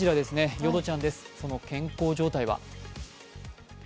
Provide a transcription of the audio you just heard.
ヨドちゃんです、その健康状態は？